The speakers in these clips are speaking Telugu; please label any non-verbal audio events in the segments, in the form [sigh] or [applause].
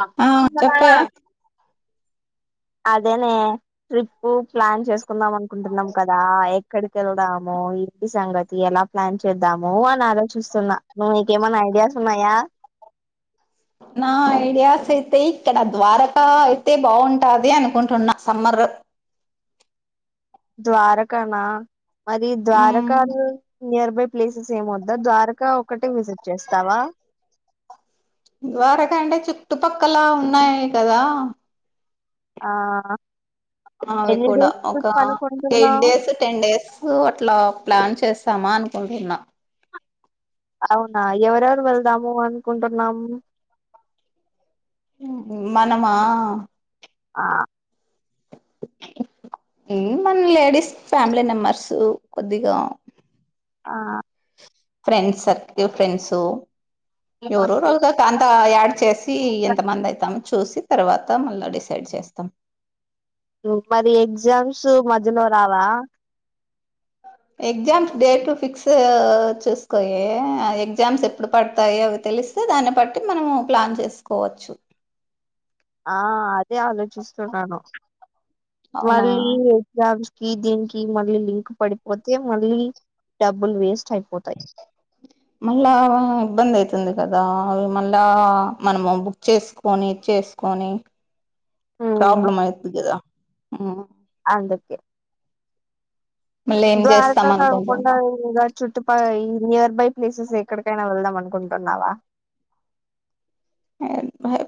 ఆ ఆ అదేనే ట్రిప్పు ప్లాన్ చేసు వెళ్దాం అనుకుంటున్నాం కదా ఎక్కడికి వెళ్ళదాం మో ఏంటి సంగతి ఎలా ప్లాన్ చేద్దాము అని ఆలోచిస్తున్నా నీకేమైనా ఐడియాస్ ఉన్నాయా నా ఐడియాస్ అయితే ఇక్కడ ద్వారకా అయితే బాగుంటాది అనుకుంటున్నా సమ్మర్ ద్వారకా నా మరి మ్మ్ ద్వారకా నియర్బై ప్లేసెస్ ఏం వద్దా ద్వారకా ఒకటే విజిట్ చేస్తావా ద్వారకంటే చుట్టుపక్కల ఉన్నాయి కదా ఆ అవి ఎన్ని కూడా డేస్ ఒక ట్రిప్ ఎయిట్ అనుకుంటున్నావు డేస్ టెన్ డేస్ అట్లా ప్లాన్ చేస్త మా అనుకుంటున్న అవునా ఎవరెవరు వెళ్దాము అనుకుంటున్నాము మనమా ఆ మన లేడీస్ ఫ్యామిలీ మెంబర్స్ కొద్దిగా ఆ ఫ్రెండ్స్ సర్కిల్ ఫ్రెండ్సు ఎవరు రోజుగా కాంత యాడ్ చేసి ఎంత మంది అయితం చూసి తర్వాత మళ్ళా డిసైడ్ చేస్తాం మరి ఎగ్జామ్స్ మధ్యలో రావా ఎగ్జామ్స్ డేట్లు ఫిక్స్ చూసుకోయే ఎగ్జామ్స్ ఎప్పుడు పడతాయో అవి తెలిస్తే దాన్ని బట్టి మనము ప్లాన్ చేసుకోవచ్చు ఆ అదే ఆలోచిస్తున్నాను అవునా మళ్ళీ ఎగ్జామ్స్ దీనికి మళ్ళీ లింక్ పడిపోతే మళ్ళీ డబ్బులు వేస్ట్ అయిపోతాయి మల్ల ఇబ్బందితంది కదా అవి మళ్ళా మనము బుక్ చేసుకొని చేసుకొని ఉమ్, ప్రాబ్లెమ్ అవుదికదా హ్మ్ అందుకే చేస్తాం ద్వారకా కాకుండా అనుకుంటున్నాం చూటుప ఈ నియర్ బై ప్లేసెస్ ఎక్కడికైనా వెళ్దాం అనుకుంటున్నావా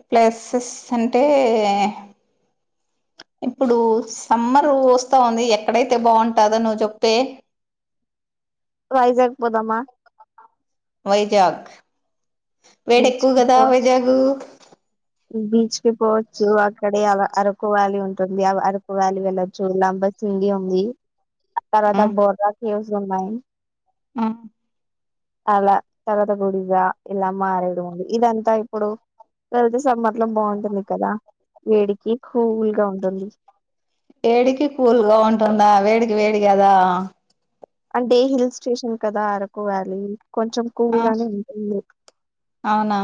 ప్లేసెస్ అంటే ఇప్పుడు సమ్మర్ వస్తా ఉంది ఎక్కడైతే బాగుంటాందో నువ్ చెప్పే రాైజాక్ పోదమా వైజాగ్ వేడ బీచ్ ఎక్కువ కి కదా పో వైజాగ బీచ్ కి పోవచ్చు అక్కడే అరకు వ్యాలీ ఉంటుంది ఆ అరకు వ్యాలీ వెళ్ళొచ్చు లంబ సింగీ ఉంది అతవాత బోర్ రాి బన్నాయి ఆ తల తలత గుడిగా ఇలా మారేయడం అది ఇదంతా ఇప్పుడు వెళతే సమ్మర్ లో బాగుంటుంది కదా వేడికి కూల్గా ఉంటుంది వేడికి కూల్గా ఉంటుందా వేడికి వేడి కదా అంటే హిల్ స్టేషన్ కదా అరకు వ్యాలీ కొంచెం కూల్ ఆ గానే ఉంటుంది అవునా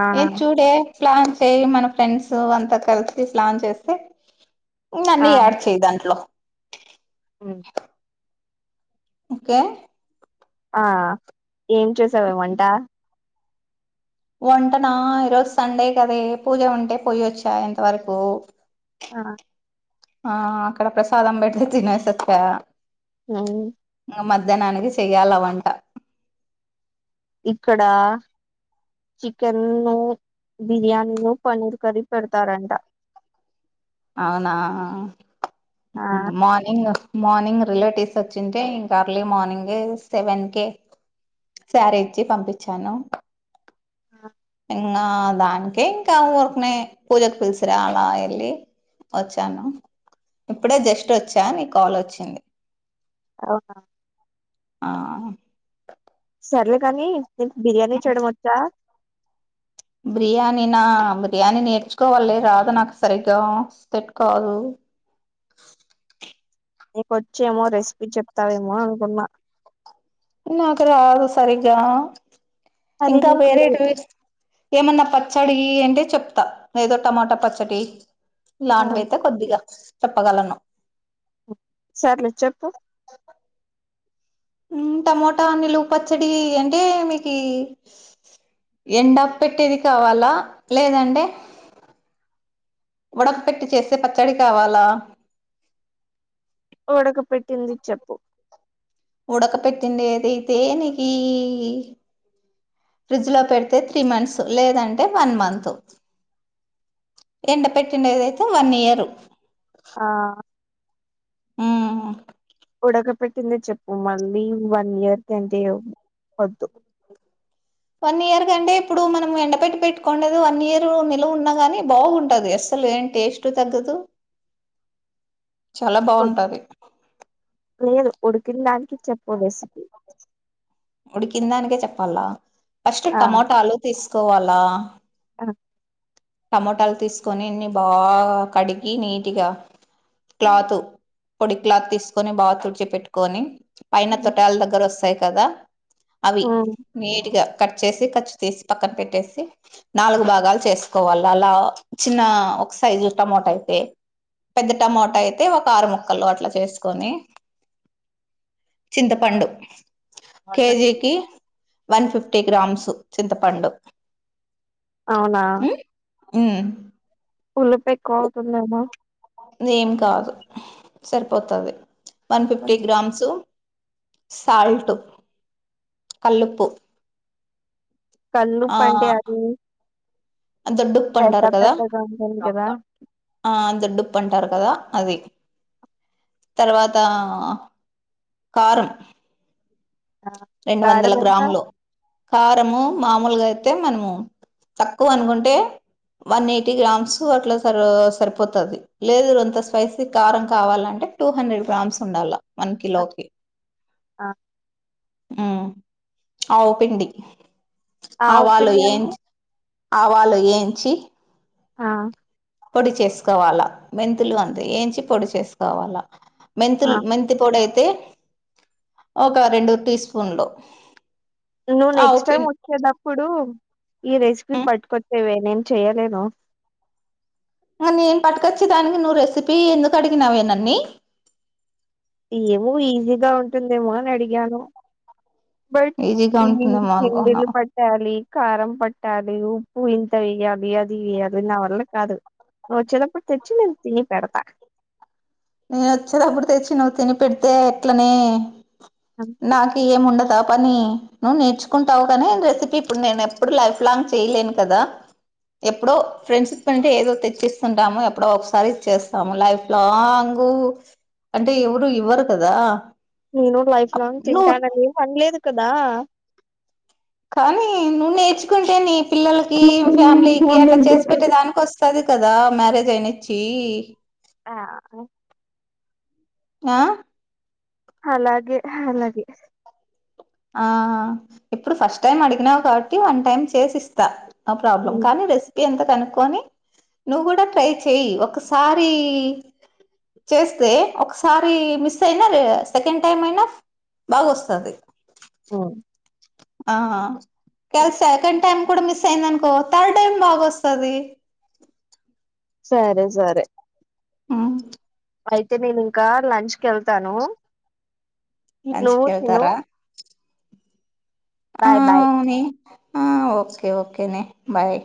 ఆ ఏం చూడే పలాన్ చేయి మన ఫ్రెండ్స్ అంతా కలిసి పలాన్ చేస్తే ఆ నన్నీ యాారు చేయదాంట్లో ఉమ్ ఓకే ఆ ఏం చేూసావేమంట వంటనా ఈరోజు సండే కదే పూజ ఉంటే పోయొచ్చా ఎంతవరకు ఆ ఆ అక్కడ ప్రసాదాం పెడితే తినేసి వచ్చ ఉ మధ్యాహ్నానికి చెయాలవంట ఇక్కడ చికెన్ ను బిర్యానీ ను పన్నిర్ కర్రీ పెడతారంట అవునా ఆ మార్నింగ్ మార్నింగ్ రిలేటివ్స్ వచ్చింటే ఇంకా అర్లీ మార్నింగ్ సెవెన్ కే శారీ ఇచ్చి పంపించాను ఆ ఇంకా దానికే ఇంకా ఊరికునే పూజకు పిలిసిరా అలా వెళ్ళి వచ్చాను ఇప్పుడే జస్ట్ వచ్చా నీ కాల్ వచ్చింది అవునా ఆ సర్లే కానీ నేను బిర్యానీ చేయడం వచ్చా బిర్యానీ నా బిర్యానీ నేర్చుకోవాలి రాదు నాకు సరిగ్గా సేట్టుకాదు నీకొచ్చేమో రెసిపీ చెప్తావేమో అనుకున్నా నాకు రాదు సరిగా అరే ఇంకా నీకు వేరే టు ఏమన్నా పచ్చడి అంటే చెప్తా ఏదో టమాటా పచ్చడి ఆ లాటివి ఐయితే కొద్దిగా చెప్పగలను సార్లే చెప్పు టమోటా నిలువు పచ్చడి అంటే మీకు ఎండ పెట్టేది కావాలా లేదంటే ఉడక పెట్టి చేసే పచ్చడి కావాలా. ఉడక పెట్టింది చెప్పు ఉడక పెట్టిండేదైతే నికి ఫ్రిడ్జ్ లో పెడితే త్రీ మంత్స్ లేదంటే వన్ మంత్ ఎండ పెట్టిండేదైతే వన్ ఇయరు ఉ. ఆ ఉ ఉడక పెటింది చెప్పు మళ్లీ వన్ ఇయర్ అంటే వద్దు. వన్ ఇయర్ కంటే ఇప్పుడు మనం ఎండపెట్టి పెట్టుకోండది వన్ ఇయర్ నిలువ ఉన్నా గాని బాగుంటది అస్సలు ఏం టేస్ట్ తగ్గదు. చాలా [unintelligible] బాగుంటది లేదు ఉడికిందానికి చెప్పు రెసి ఉడికిందానికే చెప్పాల ఫస్ట్ ఆ టమాటాలు తీసు సో అలా ఆ టమోటాలు తీసుకొని అన్ని బాగా కడిగి నీటిగా క్లాతు పొడి క్లాత్ తీసుకొని బాగా తుడిచి పెట్టుకొని పైన ఉమ్ తోటఅల్ దగ్గర వస్తాయి కదా అవి నీటిగా కట్ చేసి కచ్చు తీసి పక్కన పెట్టేసి నాలుగు భాగాలు చేస్త కోవాల అలా చిన్న ఒక సైజు టమోటా అయితే పెద్ద టమోటా అయితే ఒక ఆరు ముక్కలు అట్లా చేసుకొని చింతపండు. కేజీకీ వన్ ఫిఫ్టీ గ్రామ్స్ చింతపండు అవునా హ్ పులుపు ఎక్కువ అవుతుందేమో ఏం కాదు సరిపోతది వన్ ఫిఫ్టీ గ్రామ్సు సాల్ట్ కల్లుప్పు కల్లుప్పు అంటే అది దొడ్డు ఉప్పు పెద్ద అంటారు కదా పెద్దగా ఉంటుంది కదా ఆ దొడ్డు ఉప్పు అంటారు. కదా అది తర్వాత కారం ఆ. రెండు వందల కారం ఎంత గ్రాములు కారము మామూలుగా అయితే మనము తక్కువ అనుకుంటే వన్ ఎయిటీ గ్రామ్స్ అట్లా సరి సరిపోతుంది లేదు కొంత స్పైసీ కారం కావాలంటే టూ హండ్రెడ్ గ్రామ్స్ ఉండాలి. వన్ ఆ, కిలోకి ఆ. ఊ అవు పిండి ఆవ్ ఆవాలు పిండి అంటే ఏంచి ఆవాలు ఏంచి ఆ పొడి చేసుకోవాలా. మెంతులు అంతే ఏంచి పొడి చేసుకోవాలా. ఆ మెంతుల్ మెంతిపొడి ఐత్ ఐతే ఒక రెండు టీ స్పూన్లు నువ్వు ఆవు నెక్స్ట్ టైమ్ పిండి వచ్చేటప్పుడు ఈ రెసిపీ పట్టుకొచ్చేవే నేన్ చెయ్యలేను నేను పట్టుకొచ్చే దానికి నువ్వు రెసిపీ ఎందుకు అడిగినావే నన్ని ఏమో ఈజీగా ఉంటుందేమో అని అడిగాను. బట్ ఈజీగా ఇన్ని ఉంటుందేమో పిండిలు అనుకున్నావు పట్టాలి కారం పట్టాలి. ఉప్పు ఇంత వెయ్యాలి. అది వేయాలి నా వల్ల కాదు. నువ్వు వచ్చేదప్పుడు తెచ్చి నేను తిని పెడతా. నేను వచ్చేటప్పుడు తెచ్చి నువ్వు తిని పెడితే ఎట్లనే అంతే నాకేంముండదు పాపని నువ్ నేర్చుకుంటావు కానీ, రెసిపి ఇప్పుడు నేను ఎప్పుడు లైఫ్ లాంగ్ చేయలేను కదా. ఎప్పుడో ఫ్రెండ్స్ కంటే ఏదో తెచ్చిస్తుంటాము. ఎప్పుడో ఒకసారి చేసి ఇస్తాం లైఫ్ లాంగ్ ఊ అంటే ఎవరు ఇవ్వరు కదా నేను లైఫ్ లాంగ్ నువ్వు తింటానని పన్లేదు కదా కానీ నువ్వు నేర్చుకుంటే నీ పిల్లలకి ఫ్యామిలీకి అట్లా చేసి పెట్టే దానికి వస్తది కదా మ్యారేజ్ అయినిచ్చి ఆ ఆ అలాగే అలాగే ఆ ఇప్పుడు ఫస్ట్ టైం అడిగినావు. కాబట్టి వన్ టైమ్ చేసి ఇస్తా. ప్రాబ్లం ఉమ్, కానీ రెసిపీ ఎంత కనుక్కొని నువ్వు కూడా ట్రై చెయి ఒకసారి చేస్తే ఒకసారి మిస్ అయినది సెకండ్ టైమ్ అయినా బాగ వస్తది ఆ ఆ కలి సెకండ్ టైమ్ కూడా మిస్ అయింది అనుకో థర్డ్ టైమ్ బాగ వస్తది. సరే సరే ఆ అయితే నేను ఇంకా లంచ్ కివెళ్తాను లంచ్ కి వెళ్తారా ఆ బాయ్ బాయ్ అవునే ఆ ఓకే ఓకే నె బాయ్